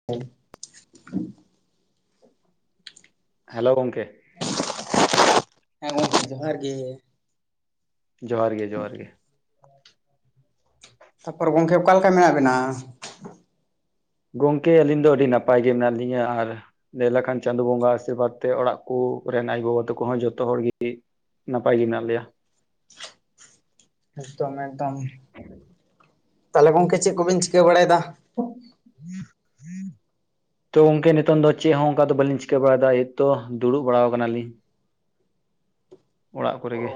[unintelligible] Hello ᱜᱚᱝᱠᱮ ᱾ ᱦᱮᱸ, ᱜᱚᱝᱠᱮ ᱡᱚᱦᱟᱨ ᱜᱮ ᱾ ᱡᱚᱦᱟᱨ ᱜᱮ ᱡᱚᱦᱟᱨ ᱜᱮ ᱾ ᱛᱟᱯᱚᱨ ᱜᱚᱝᱠᱮ ᱚᱠᱟ ᱞᱮᱠᱟ ᱢᱮᱱᱟᱜ ᱵᱮᱱᱟ? ᱜᱚᱝᱠᱮ ᱟᱹᱞᱤᱧ ᱫᱚ ᱟᱹᱰᱤ ᱱᱟᱯᱟᱭ ᱜᱮ ᱢᱮᱱᱟᱜ ᱞᱤᱧᱟᱹ ᱟᱨ᱾ ᱞᱟᱹᱭ ᱞᱮᱠᱷᱟᱱ ᱪᱟᱸᱫᱚ ᱵᱚᱸᱜᱟ ᱟᱥᱤᱨᱵᱟᱫᱽ ᱛᱮ ᱚᱲᱟᱜ ᱠᱚᱨᱮ ᱨᱮᱱ ᱟᱭᱳᱵᱟᱵᱟ ᱛᱟᱠᱚ ᱦᱚᱸ ᱡᱚᱛᱚ ᱦᱚᱲ ᱜᱮ᱾ ᱱᱟᱯᱟᱭ ᱜᱮ ᱢᱮᱱᱟᱜ ᱞᱮᱭᱟ ᱾ [unintelligible] ᱮᱠᱫᱚᱢ ᱮᱠᱫᱚᱢ, ᱛᱟᱦᱚᱞᱮ ᱜᱚᱝᱠᱮ ᱪᱮᱫ ᱠᱚᱵᱮᱱ ᱪᱤᱠᱟᱹ ᱵᱟᱲᱟᱭᱮᱫᱟ? [unintelligible] ᱛᱚ ᱜᱚᱝᱠᱮ ᱱᱤᱛᱚᱝ ᱫᱚ ᱪᱮᱫ ᱦᱚᱸ ᱚᱱᱠᱟ ᱫᱚ ᱵᱟᱹᱞᱤᱧ ᱪᱤᱠᱟᱹ ᱵᱟᱲᱟᱭᱮᱫᱟ ᱮᱛᱚ ᱫᱩᱲᱩᱵ ᱵᱟᱲᱟ ᱠᱟᱱᱟᱞᱤᱧ ᱾ ᱚᱲᱟᱜ ᱚ ᱠᱚᱨᱮ ᱜᱮ,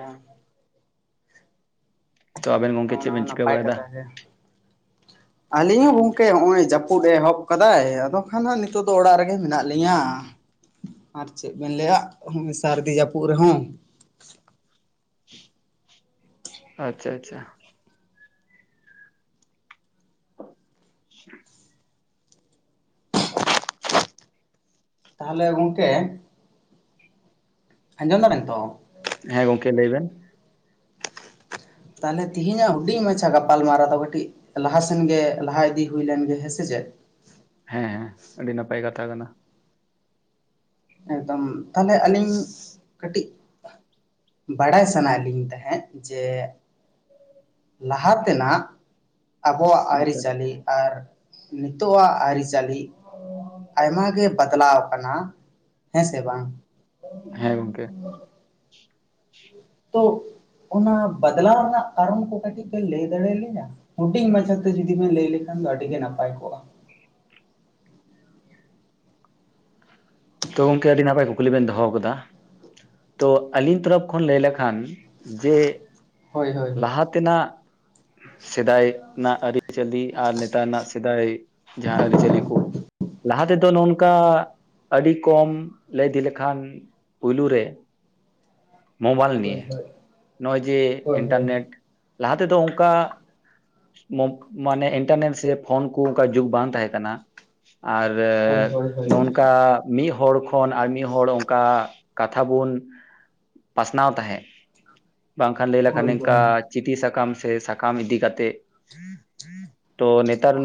ᱛᱚ ᱟᱵᱮᱱ ᱜᱚᱝᱠᱮ ᱾ ᱚᱱᱟ ᱦᱚᱸ ᱱᱟᱯᱟᱭ ᱠᱟᱛᱷᱟ ᱜᱮ ᱾ ᱟᱹᱞᱤᱧ ᱦᱚᱸ ᱜᱚᱝᱠᱮ ᱦᱚᱸᱜᱼᱚᱭ ᱡᱟᱹᱯᱩᱫ ᱮᱦᱚᱵ ᱟᱠᱟᱫᱟᱭ ᱟᱫᱚ ᱠᱷᱟᱱ ᱱᱤᱛᱚᱜ ᱫᱚ ᱚᱲᱟᱜ ᱨᱮ ᱾ ᱜᱮ ᱢᱮᱱᱟᱜ ᱞᱤᱧᱟᱹ ᱟᱨ ᱪᱮᱫ ᱵᱮᱱ ᱞᱟᱹᱭᱟ ᱥᱟᱹᱨᱫᱤ ᱡᱟᱹᱯᱩᱫ ᱨᱮᱦᱚᱸ ᱾ ᱟᱪᱪᱷᱟ ᱟᱪᱪᱷᱟ ᱾ [unintelligible] ᱛᱟᱦᱚᱞᱮ ᱜᱚᱝᱠᱮ᱾ ᱟᱸᱢᱚᱢ ᱫᱟᱵᱮᱱ ᱛᱚ? ᱦᱮᱸ, ᱜᱚᱝᱠᱮ ᱞᱟᱹᱭ ᱵᱮᱱ ᱾ ᱛᱟᱦᱚᱞᱮ ᱛᱤᱦᱤᱧᱟᱜ ᱦᱩᱰᱤᱧ ᱢᱟᱪᱷᱟ ᱜᱟᱯᱟᱞ ᱢᱟᱨᱟᱣ ᱫᱚ ᱠᱟᱹᱴᱤᱡ᱾ ᱞᱟᱦᱟ ᱥᱮᱱ ᱜᱮ ᱞᱟᱦᱟ ᱤᱫᱤ ᱦᱩᱭ ᱞᱮᱱ ᱜᱮ, ᱦᱮᱸ ᱥᱮ ᱪᱮᱫ? ᱦᱮᱸ ᱮ ᱟᱹᱰᱤ ᱱᱟᱯᱟᱭ ᱠᱟᱛᱷᱟ ᱠᱟᱱᱟ ᱾ ᱮᱠᱫᱚᱢ ᱛᱟᱦᱚᱞᱮ ᱟᱹᱞᱤᱧ ᱠᱟᱹᱴᱤᱡ ᱾ ᱵᱟᱲᱟᱭ ᱥᱟᱱᱟᱭ ᱞᱤᱧ ᱛᱟᱦᱮᱸᱫ ᱡᱮ᱾ ᱞᱟᱦᱟ ᱛᱮᱱᱟᱜ ᱟᱵᱚᱣᱟᱜ ᱟᱪᱪᱷᱟ ᱟᱹᱨᱤᱪᱟᱹᱞᱤ ᱟᱨ᱾ ᱱᱤᱛᱚᱜ ᱟᱜ ᱟᱹᱨᱤᱪᱟᱹᱞᱤ ᱟᱭᱢᱟᱜ ᱜᱮ ᱵᱟᱫᱚᱞᱟᱣ ᱠᱟᱱᱟ᱾ ᱦᱮᱸ ᱥᱮ ᱵᱟᱝ᱾ ᱦᱮᱸ ᱜᱚᱢᱠᱮ᱾ ᱛᱚ ᱚᱱᱟ ᱵᱟᱫᱚᱞᱟᱣ ᱨᱮᱱᱟᱜ ᱠᱟᱨᱚᱱ ᱠᱚ ᱠᱟᱹᱴᱤᱡ ᱯᱮ ᱞᱟᱹᱭ ᱫᱟᱲᱮᱞᱤᱧᱟ? ᱦᱩᱰᱤᱧ ᱢᱟᱪᱷᱟᱛᱮ ᱡᱩᱫᱤ ᱵᱮᱱ ᱞᱟᱹᱭ ᱞᱮᱠᱷᱟᱱ ᱫᱚ ᱟᱹᱰᱤ ᱜᱮ ᱱᱟᱯᱟᱭ ᱠᱚᱜᱼᱟ᱾ ᱛᱚ ᱜᱚᱝᱠᱮ ᱟᱹᱰᱤ ᱱᱟᱯᱟᱭ ᱠᱩᱠᱞᱤ ᱵᱮᱱ ᱫᱚᱦᱚ ᱠᱟᱫᱟ᱾ ᱛᱚ ᱟᱹᱞᱤᱧ ᱛᱚᱨᱚᱯᱷ ᱠᱷᱚᱱ ᱞᱟᱹᱭ ᱞᱮᱠᱷᱟᱱ ᱡᱮ᱾ ᱦᱳᱭ ᱦᱳᱭ ᱞᱟᱦᱟ ᱛᱮᱱᱟᱜ᱾ ᱥᱮᱫᱟᱭ ᱨᱮᱱᱟᱜ ᱟᱹᱨᱤ ᱪᱟᱹᱞᱤ ᱟᱨ ᱱᱮᱛᱟᱨ ᱨᱮᱱᱟᱜ ᱥᱮᱫᱟᱭ ᱡᱟᱸᱦᱟ ᱟᱹᱨᱤ ᱪᱟᱹᱞᱤ ᱠᱚ᱾ ᱞᱟᱦᱟ ᱛᱮᱫᱚ ᱱᱚᱝᱠᱟ ᱟᱹᱰᱤ ᱠᱚᱢ ᱞᱟᱹᱭ ᱤᱫᱤ ᱞᱮᱠᱷᱟᱱ᱾ ᱯᱩᱭᱞᱩ ᱨᱮ ᱢᱳᱵᱟᱭᱤᱞ ᱦᱳᱭ ᱱᱤᱭᱮ ᱦᱳᱭ ᱱᱚᱜᱼᱚᱭ ᱡᱮ ᱦᱳᱭ ᱦᱳᱭ ᱤᱱᱴᱟᱨᱱᱮᱴ᱾ ᱞᱟᱦᱟ ᱛᱮᱫᱚ ᱚᱱᱠᱟ᱾ ᱢᱟᱱᱮ ᱤᱱᱴᱟᱨᱱᱮᱴ ᱥᱮ ᱯᱷᱳᱱ ᱠᱚ ᱚᱱᱠᱟ ᱡᱩᱜᱽ ᱵᱟᱝ ᱛᱟᱸᱦᱮ ᱠᱟᱱᱟ᱾ ᱟᱨ ᱦᱳᱭ ᱦᱳᱭ ᱱᱚᱝᱠᱟ ᱢᱤᱫ ᱦᱚᱲ ᱠᱷᱚᱱ ᱟᱨ ᱢᱤᱫ ᱦᱚᱲ ᱚᱱᱠᱟ ᱠᱟᱛᱷᱟ ᱵᱚᱱ᱾ ᱯᱟᱥᱱᱟᱣ ᱛᱟᱦᱮᱸᱫ ᱵᱟᱝᱠᱷᱟᱱ᱾ ᱦᱳᱭ ᱦᱳᱭ ᱦᱳᱭ ᱱᱚᱝᱠᱟ ᱪᱤᱴᱷᱤ ᱥᱟᱠᱟᱢ ᱥᱮ ᱥᱟᱠᱟᱢ ᱤᱫᱤ ᱠᱟᱛᱮ ᱛᱚ᱾ [unintelligible]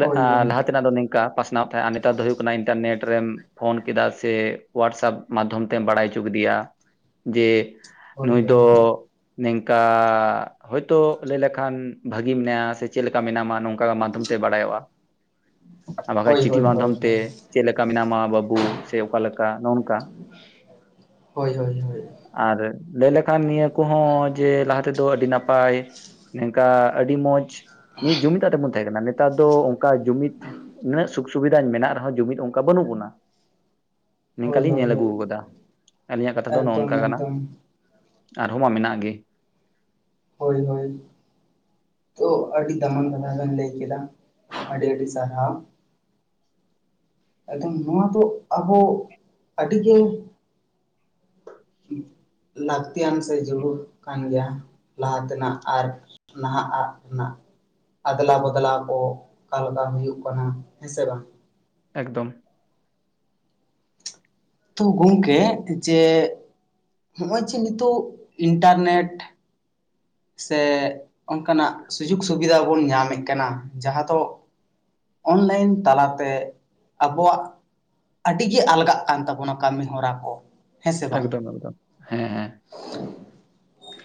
ᱦᱳᱭ ᱦᱳᱭ ᱛ ᱟᱫᱚ ᱱᱝᱠᱟ ᱯᱟᱥ ᱛᱟᱦᱮᱸ ᱱᱮᱛᱟᱨ ᱫᱚᱳ ᱠᱟᱱᱟ ᱤᱱᱴᱟᱨᱱᱮᱴ ᱨᱮᱢ ᱯᱷᱳᱱ ᱠᱮᱫᱟ ᱥᱮ ᱦᱳᱣᱟᱴᱥᱮᱯ ᱢᱟᱫᱽᱫᱷᱚᱢ ᱛᱮᱢ ᱵᱟᱲᱟᱭ ᱦᱚᱪᱚ ᱠᱮᱫᱮᱭᱟ᱾ ᱡᱮ ᱦᱳᱭ ᱦᱳᱭ ᱱᱩᱭ ᱦᱳᱭ ᱫᱚ ᱱᱤᱝᱠᱟ᱾ ᱦᱳᱭᱛᱳ ᱞᱟᱹᱭ ᱞᱮᱠᱷᱟᱱ ᱵᱷᱟᱹᱜᱤ ᱢᱮᱱᱟᱭᱟ ᱥᱮ ᱪᱮᱫ ᱞᱮᱠᱟ ᱢᱮᱱᱟᱢᱟ ᱱᱚᱝᱠᱟᱼᱼ ᱚᱱᱠᱟ ᱢᱟᱫᱽᱫᱷᱚᱢ ᱛᱮ ᱵᱟᱲᱟᱭᱚᱜᱼᱟ᱾ ᱟᱨ ᱵᱟᱠᱷᱟᱡ ᱦᱳᱭ ᱪᱤᱴᱷᱤ ᱦᱳᱭ ᱦᱳᱭ ᱢᱟᱫᱽᱫᱷᱚᱢ ᱛᱮ ᱪᱮᱫ ᱞᱮᱠᱟ ᱢᱮᱱᱟᱢᱟ ᱵᱟᱹᱵᱩ ᱥᱮ ᱚᱠᱟᱞ ᱞᱮᱠᱟ ᱱᱚᱜ ᱱᱚᱝᱠᱟ᱾ ᱦᱳᱭ ᱦᱳᱭ ᱦᱳᱭ ᱟᱨ ᱞᱟᱹᱭ ᱞᱮᱠᱷᱟᱱ ᱱᱤᱭᱟᱹ ᱠᱚᱦᱚᱸ ᱡᱮ ᱞᱟᱦᱟᱛᱮᱼᱼ ᱛᱮᱫᱚ ᱟᱹᱰᱤ ᱱᱟᱯᱟᱭ ᱱᱚᱝᱠᱟ ᱟᱹᱰᱤ ᱢᱚᱸᱡᱽ ᱢᱤᱫ ᱡᱩᱢᱤᱫᱟᱜ ᱛᱮᱵᱚᱱ ᱛᱟᱦᱮᱸ ᱠᱟᱱᱟᱼᱼ ᱱᱮᱛᱟᱨ ᱫᱚ ᱚᱱᱠᱟ ᱡᱩᱢᱤᱫ ᱩᱱᱟᱹᱜ ᱥᱩᱠ ᱥᱩᱵᱤᱫᱷᱟᱧ ᱢᱮᱱᱟᱜ ᱨᱮᱦᱚᱸ ᱡᱩᱢᱤᱫ ᱚᱱᱠᱟ ᱵᱟᱹᱱᱩᱜ ᱵᱚᱱᱟ᱾ ᱱᱚᱤᱝᱠᱟ ᱦᱳᱭ ᱞᱤᱧ ᱦᱳᱭ ᱧᱮᱞ ᱟᱹᱜᱩ ᱦᱳᱭ ᱟᱠᱟᱫᱟ ᱟᱹᱞᱤᱧᱟᱜ ᱠᱟᱛᱷᱟ ᱫᱚ ᱱᱚᱜ ᱱᱚᱝᱠᱟ ᱮᱠᱫᱚᱢ ᱠᱟᱱᱟ᱾ ᱮᱠᱫᱚᱢ ᱟᱨᱦᱚᱸ ᱢᱟ ᱢᱮᱱᱟᱜ ᱜᱮ᱾ ᱦᱳᱭ ᱦᱳᱭ ᱛᱚ ᱟᱹᱰᱤ ᱫᱟᱢᱟᱱ ᱠᱟᱞᱟ ᱞᱮᱧ ᱞᱟᱹᱭ ᱠᱮᱫᱟ ᱟᱹᱰᱤ ᱟᱹᱰᱤ ᱥᱟᱨᱦᱟᱣ᱾ ᱮᱫᱚ ᱱᱚᱣᱟ ᱫᱚ ᱟᱵᱚ ᱟᱹᱰᱤ ᱜᱮᱼᱼ ᱞᱟᱹᱠᱛᱤᱭᱟᱱ ᱥᱮ ᱡᱲᱩᱲ ᱠᱟᱱ ᱜᱮᱭᱟ ᱞᱟᱦᱟ ᱛᱮᱱᱟᱜ ᱟᱨ, ᱱᱟᱦᱟᱜ ᱟᱜ ᱨᱮᱱᱟᱜ ᱟᱫᱽᱞᱟ ᱵᱟᱚᱫᱞᱟ ᱠᱚ ᱚᱠᱟᱞᱫᱟ ᱦᱩᱭᱩᱜ ᱠᱟᱱᱟ ᱦᱮᱸᱥᱮ ᱵᱟᱝ᱾ ᱮᱠᱫᱚᱢ ᱛᱚ ᱜᱚᱢᱠᱮ ᱡᱮᱼᱼ ᱦᱚᱜᱼᱚᱭ ᱡᱮ ᱱᱤᱛᱚᱜ ᱤᱱᱴᱟᱨᱱᱮᱴᱼᱼ ᱥᱮ ᱚᱱᱠᱟᱱᱟᱜ ᱥᱩᱡᱳᱜᱽ ᱥᱩᱵᱤᱫᱷᱟ ᱵᱚᱱ ᱧᱟᱢᱮᱫ ᱠᱟᱱᱟ ᱡᱟᱦᱟᱸ ᱫᱚᱼᱼ ᱚᱱᱞᱟᱭᱤᱱ ᱛᱟᱞᱟᱛᱮ ᱟᱵᱚᱣᱟᱜ ᱟᱹᱰᱤᱜᱮ ᱟᱞᱜᱟᱜ ᱠᱟᱱ ᱛᱟᱵᱚᱱᱟ ᱠᱟᱹᱢᱤ ᱦᱚᱨᱟ ᱠᱚ ᱮᱠᱫᱚᱢ ᱮᱠᱫᱚᱢ ᱦᱮᱸ ᱦᱮᱸ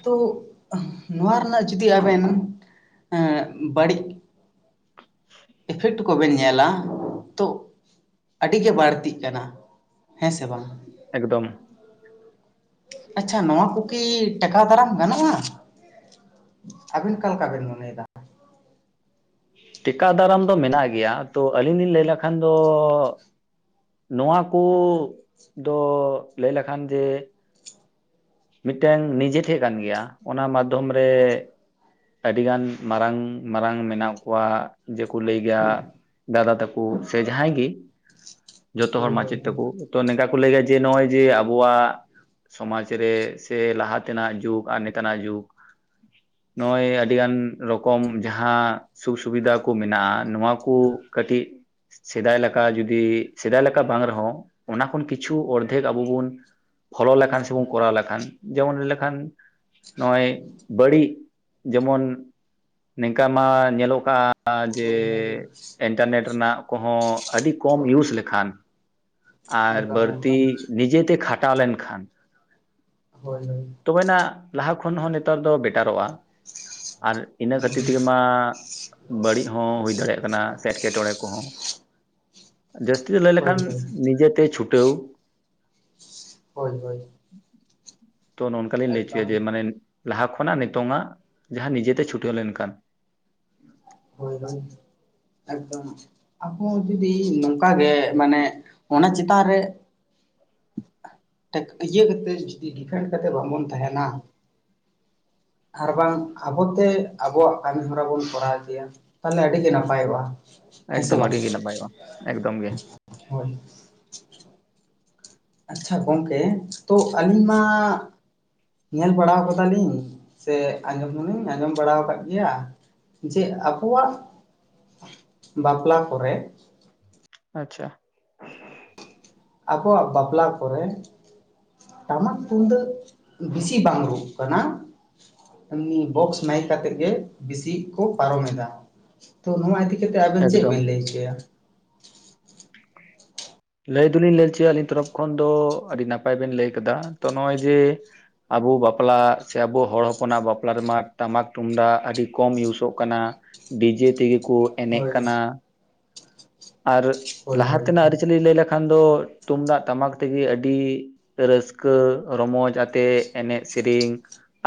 ᱛᱚᱼᱼ ᱱᱚᱣᱟ ᱨᱮᱱᱟᱜ ᱡᱩᱫᱤ ᱟᱵᱮᱱ ᱵᱟᱹᱲᱤᱡᱼᱼ ᱞᱴᱩ ᱠᱚᱵᱮᱱ ᱧᱮᱞᱟ ᱛᱚ ᱟᱹᱰᱤ ᱜᱮ ᱵᱟᱹᱲᱛᱤᱜ ᱠᱟᱱᱟ ᱦᱮᱸ ᱥᱮ ᱵᱟᱝ ᱮᱠᱫᱚᱢ ᱟᱪᱷᱟ ᱱᱚᱣᱟ ᱠᱚᱠᱤ ᱴᱮᱠᱟᱣ ᱫᱟᱨᱟᱢ ᱜᱟᱱᱚᱜᱼᱟ? ᱟᱹᱵᱤᱱ ᱠᱟᱞᱠᱟ ᱵᱮᱱ ᱢᱚᱱᱮᱭᱮᱼᱫᱟ ᱴᱮᱠᱟ ᱫᱟᱨᱟᱢ ᱫᱚ ᱢᱮᱱᱟᱜ ᱜᱮᱭᱟ ᱛᱚ ᱟᱹᱞᱤᱧ ᱞᱤᱧ ᱞᱟᱹᱭ ᱞᱮᱠᱷᱟᱱ ᱫᱚᱼᱼ ᱱᱚᱣᱟ ᱠᱚ ᱫᱚ ᱞᱟᱹᱭ ᱞᱮᱠᱷᱟᱱ ᱡᱮᱼᱼ ᱢᱤᱫᱴᱮᱱ ᱱᱤᱡᱮ ᱴᱷᱮᱡ ᱠᱟᱱ ᱜᱮᱭᱟ ᱚᱱᱟ ᱢᱟᱫᱽᱫᱷᱚᱢ ᱨᱮᱼᱼ ᱟᱹᱰᱤᱜᱟᱱ ᱢᱟᱨᱟᱝ ᱢᱟᱨᱟᱝ ᱢᱮᱱᱟᱜ ᱠᱚᱣᱟ ᱡᱮᱠᱚ ᱞᱟᱹᱭ ᱜᱮᱭᱟ ᱫᱟᱫᱟ ᱛᱟᱠᱚᱼᱼ ᱥᱮ ᱡᱟᱦᱟᱸᱭ ᱜᱮ ᱡᱚᱛᱚ ᱦᱚᱲ ᱦᱳᱭ ᱦᱳᱭ ᱢᱟᱪᱮᱫ ᱛᱮᱠᱚᱼᱼ ᱛᱚ ᱱᱚᱝᱠᱟ ᱠᱚ ᱞᱟᱹᱭᱟ ᱡᱮ ᱱᱚᱜᱼᱚᱭ ᱡᱮ ᱟᱵᱚᱣᱟᱜ᱾ ᱥᱚᱢᱟᱡᱽ ᱨᱮ ᱥᱮ ᱞᱟᱦᱟ ᱛᱮᱱᱟᱜ ᱡᱩᱜᱽ ᱟᱨ ᱱᱮᱛᱟᱨᱱᱟᱜ ᱡᱩᱜᱽ᱾ ᱱᱚᱜᱼᱚᱭ ᱟᱹᱰᱤ ᱜᱟᱱ ᱨᱚᱠᱚᱢ ᱡᱟᱦᱟᱸᱼᱼ ᱥᱩᱠ ᱥᱩᱵᱤᱫᱟ ᱠᱚ ᱢᱮᱱᱟᱜᱼᱟ ᱱᱚᱣᱟ ᱠᱚ ᱠᱟᱹᱴᱤᱡᱼᱼ ᱥᱮᱫᱟᱭ ᱞᱮᱠᱟ ᱡᱩᱚᱫᱤ ᱥᱮᱫᱟᱭ ᱞᱮᱠᱟ ᱵᱟᱝ ᱨᱮᱦᱚᱸ ᱚᱱᱟ ᱠᱷᱚᱱ ᱠᱤᱪᱷᱩ ᱚᱨᱫᱷᱮᱠ ᱟᱵᱚ ᱵᱚᱱᱼᱼ ᱯᱷᱚᱞᱳ ᱞᱮᱠᱷᱟᱱ ᱥᱮᱵᱚᱱ ᱠᱚᱨᱟᱣ ᱞᱮᱠᱷᱟᱱ ᱡᱮᱢᱚᱱ ᱞᱮᱠᱷᱟᱱ ᱱᱚᱜᱼᱚᱭ ᱵᱟᱹᱲᱤᱡ, ᱡᱮᱢᱚᱱ ᱱᱤᱝᱠᱟ ᱢᱟ ᱧᱮᱞᱚᱜ ᱠᱟᱜᱼᱟ᱾ ᱡᱮ ᱦᱳᱭ ᱦᱳᱭ ᱤᱱᱴᱟᱨᱱᱮᱴ ᱨᱮᱱᱟᱜ ᱠᱚᱦᱚᱸ ᱟᱹᱰᱤ ᱠᱚᱢ ᱭᱩᱡᱽ ᱞᱮᱠᱷᱟᱱ᱾ ᱟᱨ ᱮᱠᱫᱚᱢ ᱵᱟᱹᱲᱛᱤ ᱮᱠᱫᱚᱢ ᱱᱤᱡᱮᱛᱮ ᱠᱷᱟᱴᱟᱣ ᱞᱮᱱᱠᱷᱟᱱ ᱦᱳᱭ ᱦᱳᱭ ᱛᱚᱵᱮᱱᱟ ᱞᱟᱦᱟ ᱠᱷᱚᱱ ᱦᱚᱸ ᱱᱮᱛᱟᱨ ᱫᱚ ᱵᱮᱴᱟᱨᱚᱜᱼᱟ ᱟᱨ ᱤᱱᱟᱹ ᱠᱷᱟᱹᱛᱤᱨ ᱛᱮᱜᱮ ᱢᱟ ᱵᱟᱹᱲᱤᱡ ᱦᱚᱸ ᱦᱩᱭ ᱫᱟᱲᱮᱭᱟᱜ ᱠᱟᱱᱟ ᱥᱮ ᱮᱴᱠᱮᱼᱴᱚᱲᱮ ᱠᱚᱦᱚᱸ᱾ ᱡᱟᱹᱥᱛᱤ ᱫᱚ ᱞᱟᱹᱭ ᱦᱳᱭ ᱞᱮᱠᱷᱟᱱ ᱦᱳᱭ ᱱᱤᱡᱮᱛᱮ ᱪᱷᱩᱴᱟᱹᱣ ᱦᱳᱭ ᱦᱳᱭ ᱛᱚ ᱱᱚᱝᱠᱟ ᱞᱤᱧ ᱞᱟᱹᱭ ᱦᱚᱪᱚᱭᱟ ᱮᱠᱫᱚᱢ ᱡᱮ ᱢᱟᱱᱮ ᱞᱟᱦᱟ ᱠᱷᱚᱱᱟᱜ ᱱᱤᱛᱚᱝ ᱟᱜ ᱡᱟᱦᱟᱸ ᱱᱤᱡᱮᱛᱮ ᱪᱷᱩᱴᱟᱹᱣ ᱞᱮᱱᱠᱷᱟᱱ᱾ ᱦᱳᱭ ᱜᱚᱝᱠᱮ ᱮᱠᱫᱚᱢ᱾ ᱟᱵᱚ ᱡᱩᱫᱤ ᱱᱚᱝᱠᱟ ᱜᱮ ᱢᱟᱱᱮ ᱚᱱᱟ ᱪᱮᱛᱟᱱ ᱨᱮ ᱤᱭᱟᱹ ᱠᱟᱛᱮ ᱡᱩᱫᱤ ᱰᱤᱯᱷᱮᱱᱰ ᱠᱟᱛᱮ ᱵᱟᱝᱵᱚᱱ ᱛᱟᱦᱮᱱᱟ᱾ ᱟᱨ ᱵᱟᱝ ᱟᱵᱚᱛᱮ ᱟᱵᱚᱣᱟᱜ ᱠᱟᱹᱢᱤ ᱦᱚᱨᱟ ᱵᱚᱱ ᱠᱚᱨᱟᱣ ᱤᱫᱤᱭᱟ ᱛᱟᱦᱚᱞᱮ ᱟᱹᱰᱤᱜᱮ ᱱᱟᱯᱟᱭᱚᱜᱼᱟ᱾ ᱦᱮᱸ ᱥᱮ ᱮᱠᱫᱚᱢ ᱵᱟᱝ ᱟᱹᱰᱤ ᱜᱮ ᱱᱟᱯᱟᱭᱚᱜᱼᱟ ᱮᱠᱫᱚᱢ ᱜᱮ᱾ ᱦᱳᱭ ᱟᱪᱪᱷᱟ ᱜᱚᱝᱠᱮ ᱛᱚ ᱟᱹᱞᱤᱧ ᱢᱟ ᱧᱮᱞ ᱵᱟᱲᱟ ᱠᱟᱫᱟᱞᱤᱧ ᱥᱮ ᱟᱸᱡᱚᱢ ᱫᱚᱞᱤᱧ ᱟᱸᱡᱚᱢ ᱵᱟᱲᱟ ᱟᱠᱟᱫ ᱜᱮᱭᱟ᱾ ᱡᱮ ᱟᱵᱚᱣᱟᱜ ᱵᱟᱯᱞᱟ ᱠᱚᱨᱮ ᱟᱪᱪᱷᱟ ᱟᱵᱚᱣᱟᱜ ᱵᱟᱯᱞᱟ ᱠᱚᱨᱮ ᱴᱟᱢᱟᱠ ᱛᱩᱢᱫᱟᱹᱜ ᱵᱮᱥᱤ ᱵᱟᱝ ᱨᱩᱜ ᱠᱟᱱᱟ᱾ ᱮᱢᱱᱤ ᱵᱚᱠᱥ ᱢᱟᱭᱤᱠ ᱠᱟᱛᱮᱮᱫ ᱜᱮ ᱵᱮᱥᱤ ᱠᱚ ᱯᱟᱨᱚᱢ ᱮᱫᱟ᱾ ᱛᱚ ᱱᱚᱣᱟ ᱤᱫᱤ ᱠᱟᱛᱮᱜ ᱟᱵᱮᱱ ᱪᱮᱫ ᱮᱠᱫᱚᱢ ᱵᱮᱱ ᱞᱟᱹᱭ ᱦᱚᱪᱚᱭᱟ᱾ ᱞᱟᱹᱭ ᱫᱚᱞᱤᱧ ᱞᱟᱹᱭᱪᱚᱭᱮᱫ ᱟᱹᱞᱤᱧ ᱛᱚᱨᱚᱯᱷ ᱠᱷᱚᱱ ᱫᱚ ᱟᱹᱰᱤ ᱱᱟᱯᱟᱭ ᱵᱮᱱ ᱞᱟᱹᱭ ᱠᱟᱫᱟ᱾ ᱛᱚ ᱱᱚᱜᱼᱚᱭ ᱡᱮ ᱟᱵᱚ ᱵᱟᱯᱞᱟ ᱥᱮ ᱟᱵᱚ ᱦᱚᱲ ᱦᱚᱯᱚᱱᱟᱜ ᱵᱟᱯᱞᱟ ᱨᱮᱢᱟ ᱴᱟᱢᱟᱠ ᱛᱩᱢᱫᱟᱜ ᱟᱹᱰᱤ ᱠᱚᱢ ᱤᱭᱩᱡᱚᱜ ᱠᱟᱱᱟ᱾ ᱰᱤᱡᱮ ᱛᱮᱜᱮ ᱠᱚ ᱮᱱᱮᱡ ᱠᱟᱱᱟ᱾ ᱟᱨ ᱦᱳᱭ ᱞᱟᱦᱟ ᱦᱳᱭ ᱛᱮᱱᱟᱜ ᱟᱹᱨᱤᱪᱟᱹᱞᱤ ᱞᱟᱹᱭ ᱞᱮᱠᱷᱟᱱ ᱫᱚ ᱛᱩᱢᱫᱟᱜ ᱴᱟᱢᱟᱠ ᱛᱮᱜᱮ ᱟᱹᱰᱤ ᱨᱟᱹᱥᱠᱟᱹ ᱨᱚᱢᱚᱚᱡ ᱟᱛᱮᱜ ᱮᱱᱮᱡ ᱥᱮᱨᱮᱧ᱾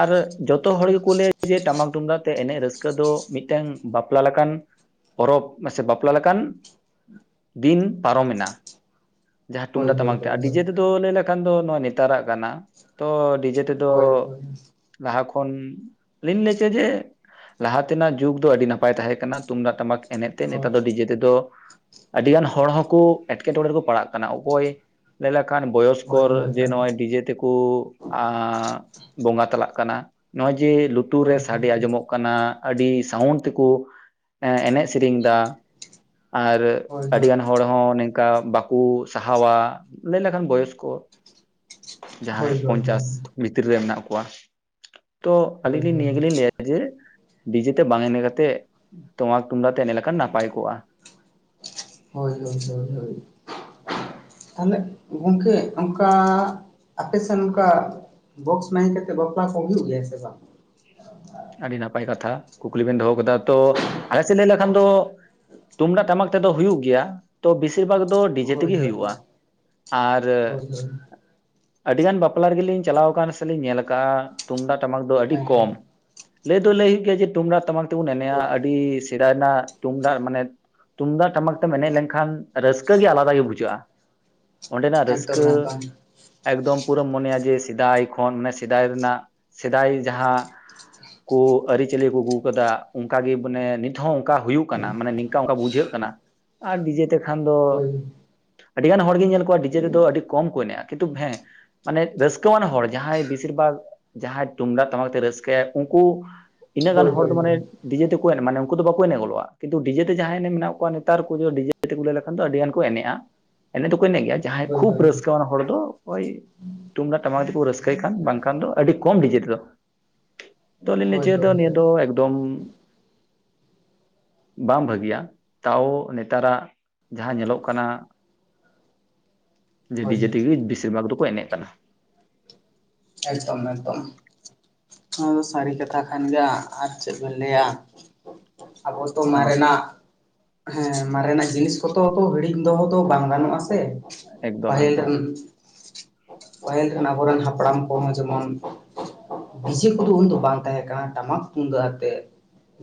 ᱟᱨ ᱡᱚᱛᱚ ᱦᱚᱲ ᱜᱮᱠᱚ ᱞᱟᱹᱭᱟ ᱡᱮ ᱴᱟᱢᱟᱠ ᱛᱩᱢᱫᱟᱜ ᱛᱮ ᱮᱱᱮᱡ ᱨᱟᱹᱥᱠᱟᱹ ᱫᱚ ᱢᱤᱫᱴᱟᱝ ᱵᱟᱯᱞᱟ ᱞᱮᱠᱟᱱ- ᱯᱚᱨᱚᱵᱽ ᱢᱥᱮ ᱵᱟᱯᱞᱟ ᱞᱮᱠᱟᱱ ᱫᱤᱱ ᱯᱟᱨᱚᱢᱮᱱᱟ᱾ ᱡᱟᱦᱟᱸ ᱦᱳᱭ ᱛᱩᱢᱫᱟᱜ ᱦᱳᱭ ᱴᱟᱢᱟᱠ ᱛᱮ ᱟᱨ ᱦᱳᱭ ᱰᱤᱡᱮ ᱛᱮᱫᱚ ᱞᱟᱹᱭ ᱞᱮᱠᱷᱟᱱ ᱫᱚ ᱱᱚᱣᱟ ᱱᱮᱛᱟᱨᱟᱜ ᱠᱟᱱᱟ ᱛᱚ ᱱᱤᱡᱮ ᱛᱮ ᱫᱚ ᱦᱳᱭ ᱦᱳᱭ ᱞᱟᱦᱟ ᱠᱷᱚᱱ ᱞᱤᱧ ᱞᱟᱹᱭ ᱪᱚ ᱡᱮ ᱞᱟᱦᱟ ᱛᱮᱱᱟᱜ ᱡᱩᱜᱽ ᱫᱚ ᱟᱹᱰᱤ ᱱᱟᱯᱟᱭ ᱛᱟᱦᱮᱸ ᱠᱟᱱᱟ ᱛᱩᱢᱫᱟᱜ ᱴᱟᱢᱟᱠ ᱮᱱᱮᱡ [unintelligible] ᱛᱮ ᱦᱳᱭ ᱱᱮᱛᱟᱨ ᱫᱚ ᱰᱤᱡᱮ ᱛᱮᱫᱚ ᱟᱹᱰᱤ ᱜᱟᱱ ᱦᱚᱲ ᱦᱚᱸᱠᱚ ᱮᱴᱠᱮᱴᱚᱬᱮ ᱨᱮᱠᱚ ᱯᱟᱲᱟᱜ ᱚᱠᱚᱭ ᱞᱟᱹᱭ ᱞᱮᱠᱷᱟᱱ ᱦᱳᱭ ᱦᱳᱭ ᱵᱚᱭᱚᱥᱠᱚᱨ ᱦᱳᱭ ᱡᱮ ᱱᱚᱜᱼᱚᱭ ᱰᱤᱡᱮ ᱛᱮᱠᱚ ᱟᱸᱻ ᱵᱚᱸᱜᱟ ᱛᱟᱞᱟᱜ ᱠᱟᱱᱟ ᱱᱚᱜᱼᱚᱭ ᱡᱮ ᱞᱩᱛᱩᱨ ᱨᱮ ᱥᱟᱰᱮ ᱟᱸᱡᱚᱢᱚᱜ ᱠᱟᱱᱟ ᱟᱹᱰᱤ ᱥᱟᱣᱩᱱᱰ ᱛᱮᱠᱩ ᱮᱱᱮᱡ ᱥᱮᱨᱮᱧ ᱮᱫᱟ᱾ ᱟᱨ ᱦᱳᱭ ᱦᱳᱭ ᱦᱳᱭ ᱟᱹᱰᱤᱜᱟᱱ ᱦᱳᱭ ᱦᱚᱲ ᱦᱚᱸ ᱱᱤᱝᱠᱟ ᱵᱟᱠᱚ ᱠᱩ ᱥᱟᱦᱟᱣᱟ ᱞᱟᱹᱭ ᱞᱮᱠᱷᱟᱱ ᱵᱚᱭᱚᱥᱠᱚ ᱡᱟᱦᱟᱸᱭ ᱦᱳᱭ ᱦᱳᱭ ᱯᱚᱧᱪᱟᱥ ᱵᱷᱤᱛᱤᱨ ᱨᱮ ᱢᱮᱱᱟᱜ ᱠᱚᱣᱟ᱾ ᱛᱚ ᱦᱳᱭ ᱟᱹᱞᱤᱧ ᱦᱳᱭ ᱱᱤᱭᱟᱹ ᱜᱮ ᱞᱤᱧ ᱞᱟᱹᱭᱟ᱾ ᱡᱮ ᱰᱤᱡᱮ ᱛᱮ ᱵᱟᱝ ᱮᱱᱮᱡ ᱠᱟᱛᱮ ᱴᱟᱢᱟᱠ ᱛᱩᱢᱫᱟᱜ ᱛᱮ ᱮᱱᱮᱡ ᱞᱮᱠᱷᱟᱱ ᱱᱟᱯᱟᱭ ᱠᱚᱜᱼᱟ᱾ ᱦᱳᱭ-ᱦᱳᱭ-ᱦᱳᱭ-ᱦᱳᱭ ᱛᱟᱞᱮ ᱜᱚᱝᱠᱮ ᱚᱱᱠᱟ ᱟᱯᱮ ᱥᱮᱱ ᱚᱱᱠᱟ ᱵᱚᱠᱥᱥ ᱢᱟᱭᱤᱱ ᱠᱟᱛᱮᱫ ᱵᱟᱯᱞᱟ ᱦᱚᱵ ᱦᱩᱭᱩᱜ ᱜᱮᱭᱟ ᱥᱮ ᱵᱟᱝ? ᱟᱹᱰᱤ ᱱᱟᱯᱟᱭ ᱠᱟᱛᱷᱟ ᱠᱩᱠᱞᱤ ᱵᱮᱱ ᱫᱚᱦᱚ ᱠᱟᱫᱟ ᱛᱚ ᱟᱞᱮ ᱥᱮᱫ ᱞᱟᱹᱭ ᱞᱮᱠᱷᱟᱱ ᱫᱚ ᱛᱩᱢᱫᱟᱜ ᱴᱟᱢᱟᱠ ᱛᱮᱫᱚ ᱦᱩᱭᱩᱜ ᱜᱮᱭᱟ᱾ ᱛᱚ ᱵᱮᱥᱤᱨ ᱵᱷᱟᱜ? ᱛᱚ ᱰᱤᱡᱮ ᱦᱳᱭ ᱛᱮᱜᱮ ᱦᱳᱭ ᱦᱩᱭᱩᱜᱼᱟ᱾ ᱟᱨ ᱦᱳᱭ ᱦᱳᱭ ᱟᱹᱰᱤᱜᱟᱱ ᱵᱟᱯᱞᱟ ᱨᱮᱜᱮᱞᱤᱧ ᱪᱟᱞᱟᱣ ᱟᱠᱟᱱ ᱥᱮᱞᱤᱧ ᱧᱮᱞ ᱟᱠᱟᱜᱼᱟ ᱛᱩᱢᱫᱟᱜ ᱴᱟᱢᱟᱠ ᱫᱚ ᱟᱹᱰᱤ ᱦᱮᱸ ᱠᱚᱢ᱾ ᱞᱟᱹᱭ ᱫᱚ ᱞᱟᱹᱭ ᱦᱩᱭᱩᱜ ᱜᱮᱭᱟ ᱡᱮ ᱴᱩᱢᱫᱟᱜ ᱴᱟᱢᱟᱠ ᱛᱮᱵᱚᱱ ᱮᱱᱮᱼᱟ ᱦᱳᱭ ᱟᱹᱰᱤ ᱨᱮᱱᱟᱜ ᱛᱩᱢᱫᱟᱜ ᱢᱟᱱᱮ ᱛᱩᱢᱫᱟᱜ ᱴᱟᱢᱟᱠ ᱛᱮᱢ ᱮᱱᱮᱡ ᱞᱮᱱᱠᱷᱟᱱ ᱨᱟᱹᱥᱠᱟᱹ ᱜᱮ ᱟᱞᱟᱫᱟ ᱜᱮ ᱵᱩᱡᱷᱟᱹᱜᱼᱟ᱾ ᱚᱸᱰᱮᱱᱟᱜ ᱮᱠᱫᱚᱢ ᱨᱟᱹᱥᱠᱟᱹ, ᱮᱠᱫᱚᱢ ᱮᱠᱫᱚᱢ ᱯᱩᱨᱟᱹᱢ ᱢᱚᱱᱮᱭᱟ ᱡᱮ ᱥᱮᱫᱟᱭ ᱠᱷᱚᱱ ᱢᱟᱱᱮ ᱥᱮᱫᱟᱭ ᱨᱮᱱᱟᱜ ᱥᱮᱫᱟᱭ ᱡᱟᱦᱟᱸ, ᱠᱩ ᱟᱹᱨᱤᱪᱟᱹᱞᱤ ᱠᱩ ᱟᱹᱜᱩ ᱠᱟᱫᱟ ᱚᱱᱠᱟ ᱜᱮ ᱢᱟᱱᱮ ᱱᱤᱛ ᱦᱚᱸ ᱚᱱᱠᱟ ᱦᱩᱭᱩᱜ ᱠᱟᱱᱟ ᱢᱟᱱᱮ ᱱᱤᱝᱠᱟ ᱚᱱᱠᱟ ᱵᱩᱡᱷᱟᱹᱜ ᱠᱟᱱᱟ᱾ ᱟᱨ ᱰᱤᱡᱮ ᱛᱮᱠᱷᱟᱱ ᱫᱚ? ᱦᱳᱭ ᱟᱹᱰᱤ ᱜᱟᱱ ᱦᱚᱲᱜᱤᱧ ᱧᱮᱞ ᱠᱚᱣᱟ ᱰᱤᱡᱮ ᱨᱮᱫᱚ ᱟᱹᱰᱤ ᱠᱚᱢ ᱠᱚ ᱮᱱᱮᱡᱼᱟ ᱠᱤᱱᱛᱩ ᱦᱮᱸ? ᱢᱟᱱᱮ ᱨᱟᱹᱥᱠᱟᱹᱣᱟᱱ ᱦᱚᱲ ᱡᱟᱦᱟᱸᱭ ᱵᱤᱥᱤᱨ ᱵᱷᱟᱜᱽ ᱡᱟᱦᱟᱸᱭ ᱛᱩᱢᱫᱟᱜ ᱴᱟᱢᱟᱠ ᱟᱛᱮ ᱨᱟᱹᱥᱠᱟᱹ ᱟᱭ᱾ ᱩᱱᱠᱩ ᱤᱱᱟᱹᱜ ᱜᱟᱱ ᱦᱳᱭ ᱦᱚᱲ ᱦᱳᱭ ᱫᱚ ᱦᱳᱭ ᱢᱟᱱᱮ, ᱰᱤᱡᱮ ᱛᱮᱠᱚ ᱢᱟᱱᱮ ᱩᱱᱠᱩ ᱫᱚ ᱵᱟᱠᱚ ᱮᱱᱮᱡ ᱜᱚᱫᱚᱜᱼᱟ ᱠᱤᱱᱛᱩ ᱰᱤᱡᱮᱛᱮ ᱡᱟᱦᱟᱸᱭ ᱮᱱᱮᱡ ᱢᱮᱱᱟᱜ ᱠᱚᱣᱟ ᱱᱮᱛᱟᱨ ᱠᱚᱫᱚ ᱰᱤᱡᱮ [inaudible] ᱞᱟᱹᱭ ᱞᱮᱠᱷᱟᱱ ᱫᱚ ᱟᱹᱰᱤ ᱜᱟᱱ ᱠᱚ ᱮᱱᱮᱡᱼᱟ ᱮᱱᱮᱡ ᱫᱚᱠᱚ ᱮᱱᱮᱡ ᱜᱮᱭᱟ ᱡᱟᱦᱟᱸᱭ ᱦᱳᱭ ᱠᱷᱩᱵ ᱦᱳᱭ ᱨᱟᱹᱥᱠᱟᱹ ᱟᱱ ᱦᱚᱲ ᱫᱚ ᱳᱭ ᱛᱩᱢᱫᱟᱜ ᱴᱟᱢᱟᱠ ᱛᱮᱠᱚ ᱨᱟᱹᱥᱠᱟᱹᱭ ᱠᱷᱟᱱ ᱵᱟᱝᱠᱷᱟᱱ ᱫᱚ ᱟᱹᱰᱤ ᱠᱚᱢ ᱰᱤᱡᱮ ᱛᱮ ᱫᱚ᱾ ᱛᱚ ᱞᱤᱧ ᱞᱟᱹᱭ ᱦᱳᱭ ᱦᱳᱭ ᱚᱪᱚᱭ ᱫᱟ ᱱᱤᱭᱟᱹ ᱦᱳᱭ ᱫᱚ ᱮᱠᱫᱚᱢ, ᱵᱟᱝ ᱵᱷᱟᱹᱜᱤᱭᱟ ᱛᱟᱣ ᱱᱮᱛᱟᱨᱟᱜ ᱡᱟᱦᱟᱸ ᱧᱮᱞᱚᱜ ᱠᱟᱱᱟ? ᱡᱮ ᱦᱳᱭ ᱰᱤᱡᱮ ᱛᱮᱜᱮ ᱵᱤᱥᱤᱨ ᱵᱷᱟᱜᱽ ᱫᱚᱠᱚ ᱮᱱᱮᱡ ᱠᱟᱱᱟ᱾ ᱮᱠᱫᱚᱢ ᱮᱠᱫᱚᱢ᱾ ᱱᱚᱣᱟ ᱫᱚ ᱥᱟᱹᱨᱤ ᱠᱟᱛᱷᱟ ᱠᱟᱱ ᱜᱮᱭᱟ ᱟᱨ ᱪᱮᱫ ᱵᱮᱱ ᱞᱟᱹᱭᱼᱟ᱾ ᱟᱵᱚ ᱫᱚ ᱚᱱᱟ ᱢᱟ ᱠᱟᱱᱟ ᱢᱮᱨᱮᱱᱟᱜ, ᱦᱮᱸ ᱢᱟᱨᱮᱱᱟᱜ ᱡᱤᱱᱤᱥ ᱠᱚᱛᱚ ᱛᱚ ᱦᱤᱲᱤᱧ ᱫᱚᱦᱚ ᱫᱚ ᱵᱟᱝ ᱜᱟᱱᱚᱜ ᱟᱥᱮ? ᱮᱠᱫᱚᱢ ᱯᱟᱹᱦᱤᱞ ᱮᱠᱫᱚᱢ ᱨᱮᱱ, ᱯᱟᱹᱦᱤᱞ ᱨᱮᱱ ᱟᱵᱚᱨᱮᱱ ᱦᱟᱯᱲᱟᱢ ᱦᱚᱸ ᱡᱮᱢᱚᱱ, ᱰᱤᱡᱮ ᱠᱚᱫᱚ ᱩᱱ ᱫᱚ ᱵᱟᱝ ᱛᱟᱦᱮᱸ ᱠᱟᱱᱟ ᱴᱟᱢᱟᱠ ᱛᱩᱢᱫᱟᱜ ᱟᱛᱮ᱾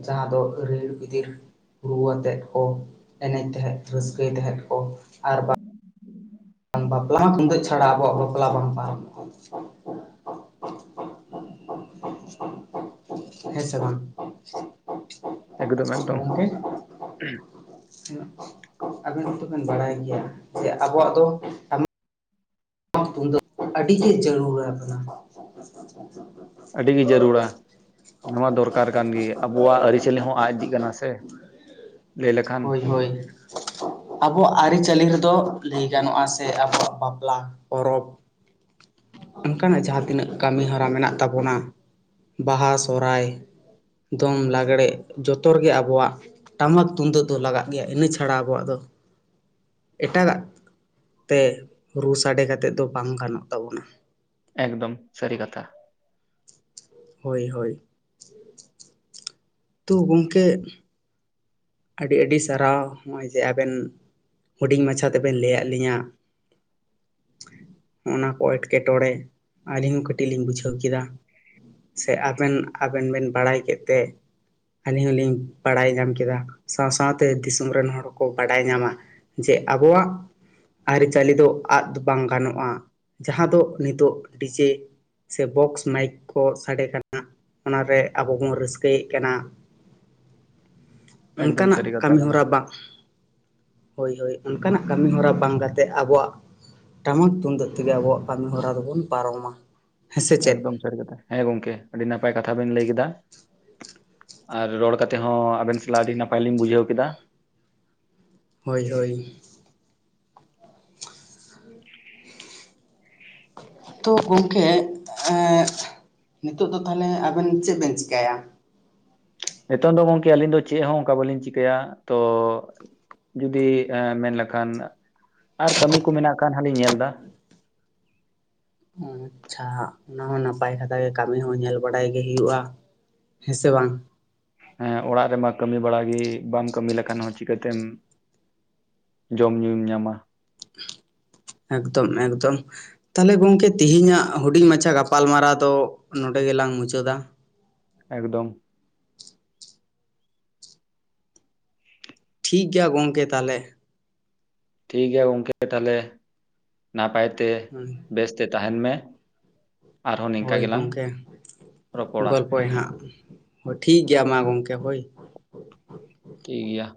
ᱡᱟᱦᱟᱸ ᱫᱚ ᱨᱤᱲᱤᱢ ᱵᱤᱫᱤᱨ, ᱨᱩᱣᱟᱹ ᱟᱛᱮᱜ ᱠᱚ ᱮᱱᱮᱡ ᱛᱟᱦᱮᱸᱫ ᱨᱟᱹᱥᱠᱟᱹᱭ ᱛᱟᱦᱮᱸᱫ ᱠᱚ ᱟᱨ ᱵᱟᱝ, ᱵᱟᱯᱞᱟ ᱦᱚ ᱛᱩᱢᱫᱟᱹᱜ ᱪᱷᱟᱲᱟ ᱟᱵᱚᱣᱟᱜ ᱵᱟᱯᱞᱟ ᱵᱟᱝ ᱯᱟᱨᱚᱢᱚᱜᱼᱟ᱾ [unintelligible] ᱦᱮᱸ ᱥᱮ ᱵᱟᱝ? ᱮᱠᱫᱚᱢ [unintelligible] ᱮᱠᱫᱚᱢ ᱜᱚᱝᱠᱮ, ᱟᱹᱵᱮᱱ ᱦᱚᱛᱚᱵᱮᱱ ᱵᱟᱲᱟᱭ ᱜᱮᱭᱟ ᱡᱮ ᱟᱵᱚᱣᱟᱜ ᱫᱚ, [inaudible] ᱟᱹᱰᱤ ᱜᱮ ᱡᱟᱹᱨᱩᱲᱟ ᱟᱠᱟᱱᱟ᱾ ᱟᱹᱰᱤ ᱜᱮ ᱡᱟᱹᱨᱩᱲᱟ᱾ ᱱᱚᱣᱟ ᱫᱚᱨᱠᱟᱨ ᱠᱟᱱ ᱜᱮ ᱟᱵᱚᱣᱟᱜ ᱟᱹᱨᱤᱪᱟᱹᱞᱤ ᱦᱚᱸ ᱟᱫ ᱤᱫᱤᱜ ᱠᱟᱱᱟ ᱥᱮ? ᱞᱟᱹᱭ ᱞᱮᱠᱷᱟᱱ ᱦᱳᱭ ᱦᱳᱭ ᱟᱵᱚᱣᱟᱜ ᱟᱹᱨᱤᱪᱟᱹᱞᱤ ᱨᱮᱫᱚ ᱞᱟᱹᱭ ᱜᱟᱱᱚᱜᱼᱟ ᱥᱮ ᱟᱵᱚᱣᱟᱜ ᱵᱟᱯᱞᱟ, ᱯᱚᱨᱚᱵ, ᱚᱱᱠᱟᱱᱟᱜ ᱡᱟᱦᱟᱸ ᱛᱤᱱᱟᱹᱜ ᱠᱟᱹᱢᱤ ᱦᱚᱨᱟ ᱢᱮᱱᱟᱜ ᱛᱟᱵᱚᱱᱟ ᱵᱟᱦᱟ ᱥᱚᱦᱚᱨᱟᱭ᱾ ᱫᱚᱝ ᱞᱟᱜᱽᱲᱮ ᱡᱚᱛᱚ ᱨᱮᱜᱮ ᱟᱵᱚᱣᱟᱜ, ᱴᱟᱢᱟᱠ ᱛᱩᱢᱫᱟᱹᱜ ᱫᱚ ᱞᱟᱜᱟᱜ ᱜᱮᱭᱟ ᱤᱱᱟᱹ ᱪᱷᱟᱲᱟ ᱟᱵᱚᱣᱟᱜ ᱫᱚ, ᱮᱴᱟᱜᱟᱜ ᱛᱮ ᱨᱩ ᱥᱟᱰᱮ ᱠᱟᱛᱮᱫ ᱫᱚ ᱵᱟᱝ ᱜᱟᱱᱚᱜ ᱛᱟᱵᱚᱱᱟ᱾ ᱮᱠᱫᱚᱢ ᱥᱟᱹᱨᱤ ᱠᱟᱛᱷᱟ᱾ ᱦᱳᱭ ᱦᱳᱭ᱾ ᱛᱚ ᱜᱚᱢᱠᱮ, ᱟᱹᱰᱤ ᱟᱹᱰᱤ ᱥᱟᱨᱦᱟᱣ ᱦᱚᱸᱜᱼᱚᱭ ᱡᱮ ᱟᱵᱮᱱ ᱦᱩᱰᱤᱧ ᱢᱟᱪᱷᱟ ᱛᱮᱵᱮᱱ ᱞᱟᱹᱭᱟᱫ ᱞᱤᱧᱟᱹ᱾ ᱚᱱᱟ ᱠᱚ ᱮᱸᱴᱠᱮᱴᱚᱬᱮ ᱟᱞᱤᱧ ᱦᱚᱸ ᱠᱟᱹᱴᱤᱡ ᱞᱤᱧ ᱵᱩᱡᱷᱟᱹᱣ ᱠᱮᱫᱟ ᱾ ᱥᱮ ᱟᱵᱮᱱ ᱟᱵᱮᱱ ᱵᱮᱱ ᱵᱟᱲᱟᱭ ᱠᱮᱫ ᱛᱮ ᱟᱹᱞᱤᱧ ᱦᱚᱞᱤᱧ ᱵᱟᱲᱟᱭ ᱧᱟᱢ ᱠᱮᱫᱟ ᱾ ᱥᱟᱶ ᱥᱟᱶᱛᱮ ᱫᱤᱥᱚᱢ ᱨᱮᱱ ᱦᱚᱲ ᱠᱚ ᱵᱟᱰᱟᱭ ᱧᱟᱢᱟ ᱡᱮ ᱟᱵᱚᱣᱟᱜ ᱟᱹᱨᱤᱪᱟᱹᱞᱤ ᱫᱚ ᱟᱫ ᱵᱟᱝ ᱜᱟᱱᱚᱜᱼᱟ, ᱡᱟᱦᱟᱸ ᱫᱚ ᱱᱤᱛᱚᱜ ᱰᱤᱡᱮ ᱥᱮ ᱵᱚᱠᱥ ᱢᱟᱭᱤᱠ ᱠᱚ ᱥᱟᱰᱮ ᱠᱟᱱᱟ ᱚᱱᱟ ᱨᱮ ᱟᱵᱚ ᱵᱚᱱ ᱨᱟᱹᱥᱠᱟᱹᱭᱮᱫ ᱠᱟᱱᱟ ᱾ ᱚᱱᱠᱟ ᱮᱠᱫᱚᱢ ᱱᱟᱜ ᱥᱟᱹᱨᱤ ᱠᱟᱛᱷᱟ ᱠᱟᱹᱢᱤ ᱠᱟᱱᱟ ᱦᱚᱨᱟ ᱵᱟᱝ, ᱦᱳᱭ ᱦᱳᱭ ᱚᱱᱠᱟ ᱱᱟᱜ ᱠᱟᱹᱢᱤ ᱦᱚᱨᱟ ᱵᱟᱝ ᱠᱟᱛᱮᱜᱼᱼ ᱠᱟᱛᱮᱜ ᱟᱵᱚᱣᱟᱜ ᱴᱟᱢᱟᱠ ᱛᱩᱢᱫᱟᱹᱜ ᱛᱮᱜᱮ ᱟᱵᱚᱣᱟᱜ ᱠᱟᱹᱢᱤ ᱦᱚᱨᱟ ᱫᱚᱵᱚᱱ ᱯᱟᱨᱚᱢᱟ ᱾ ᱮᱠᱫᱚᱢ ᱥᱟᱹᱨᱤ ᱠᱟᱛᱷᱟ, ᱦᱮᱸ ᱜᱚᱢᱠᱮ ᱟᱹᱰᱤ ᱱᱟᱯᱟᱭ ᱠᱟᱛᱷᱟ ᱵᱮᱱ ᱞᱟᱹᱭ ᱠᱮᱫᱟ ᱾ ᱟᱨ ᱨᱚᱲ ᱠᱟᱛᱮᱫ ᱦᱚᱸ ᱟᱵᱮᱱ ᱥᱟᱞᱟᱜ ᱟᱹᱰᱤ ᱱᱟᱯᱟᱭ ᱞᱤᱧ ᱵᱩᱡᱷᱟᱹᱣ ᱠᱮᱫᱟ ᱾ ᱦᱳᱭ ᱦᱳᱭ ᱾ ᱛᱚ ᱜᱚᱢᱠᱮ, ᱮᱸᱫ ᱱᱤᱛᱚᱜ ᱫᱚ ᱛᱟᱦᱚᱞᱮ ᱟᱵᱮᱱ ᱪᱮᱫ ᱵᱮᱱ ᱪᱤᱠᱟᱹᱭᱟ? ᱱᱤᱛᱚᱝ ᱫᱚ ᱜᱚᱝᱠᱮ ᱟᱹᱞᱤᱧ ᱫᱚ ᱪᱮᱫ ᱦᱚᱸ ᱚᱱᱠᱟ ᱵᱟᱹᱞᱤᱧ ᱪᱤᱠᱟᱹᱭᱟ ᱛᱚ ᱡᱩᱫᱤ ᱢᱮᱱ ᱞᱮᱠᱷᱟᱱ ᱟᱨ ᱠᱟᱹᱢᱤ ᱠᱚ ᱢᱮᱱᱟᱜ ᱠᱷᱟᱱ ᱦᱟᱞᱤᱧ ᱧᱮᱞ ᱮᱫᱟ ᱾ ᱟᱪᱪᱷᱟ, ᱚᱱᱟ ᱦᱚᱸ ᱱᱟᱯᱟᱭ ᱠᱟᱛᱷᱟ ᱜᱮ ᱠᱟᱹᱢᱤ ᱦᱚᱸ ᱧᱮᱞ ᱵᱟᱲᱟᱭ ᱜᱮ ᱦᱩᱭᱩᱜᱼᱟ ᱾ ᱦᱮᱸ ᱥᱮ ᱵᱟᱝ? ᱮᱸ ᱚᱲᱟᱜ ᱨᱮᱢᱟ ᱠᱟᱹᱢᱤ ᱵᱟᱲᱟ ᱜᱮ ᱵᱟᱢ ᱠᱟᱹᱢᱤ ᱞᱮᱠᱷᱟᱱ ᱦᱚᱸ ᱪᱤᱠᱟᱹ ᱛᱮᱢ ᱡᱚᱢ ᱧᱩᱢ ᱧᱟᱢᱟ ᱾ ᱮᱠᱫᱚᱢ ᱮᱠᱫᱚᱢ ᱾ ᱛᱟᱦᱚᱞᱮ ᱜᱚᱝᱠᱮ ᱛᱮᱦᱮᱧᱟᱜ ᱦᱩᱰᱤᱧ ᱢᱟᱪᱷᱟ ᱜᱟᱯᱟᱞ ᱢᱟᱨᱟᱣ ᱫᱚ ᱱᱚᱰᱮ ᱜᱮᱞᱟᱝ ᱢᱩᱪᱟᱹᱫᱟ ᱾ ᱮᱠᱫᱚᱢ ᱾ ᱴᱷᱤᱠ ᱜᱮᱭᱟ ᱜᱚᱢᱠᱮ ᱛᱟᱦᱚᱞᱮ ᱾ ᱴᱷᱤᱠ ᱜᱮᱭᱟ ᱜᱚᱝᱠᱮ ᱛᱟᱦᱚᱞᱮ ᱱᱟᱯᱟᱭ ᱛᱮ ᱵᱮᱥᱛᱮ ᱛᱟᱦᱮᱱ ᱢᱮ ᱾ ᱦᱳᱭ ᱜᱚᱢᱠᱮ, ᱨᱚᱯᱚᱲᱟ ᱜᱚᱞᱯᱚᱭ ᱦᱟᱸᱜ ᱦᱳᱭ ᱴᱷᱤᱠ ᱜᱮᱭᱟ ᱢᱟ ᱜᱚᱢᱠᱮ ᱦᱳᱭ ᱾ ᱴᱷᱤᱠ ᱜᱮᱭᱟ ᱾